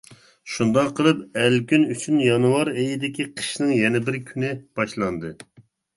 شۇنداق قىلىپ ئەلكۈن ئۈچۈن يانۋار ئېيىدىكى قىشنىڭ يەنە بىر كۈنى باشلاندى.